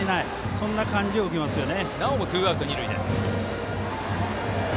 そんな感じを受けますよね。